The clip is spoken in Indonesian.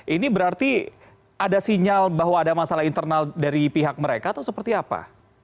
ini berarti ada sinyal bahwa ada masalah internal dari pihak mereka atau seperti apa